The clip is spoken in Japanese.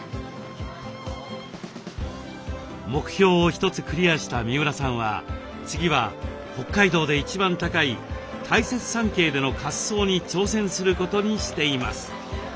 目標を一つクリアした三浦さんは次は北海道で一番高い大雪山系での滑走に挑戦することにしています。